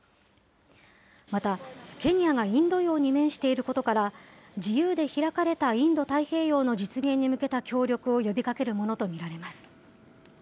また、ケニアがインド洋に面していることから、自由で開かれたインド太平洋の実現に向けた協力を呼びかけるものと見られます。